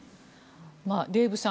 デーブさん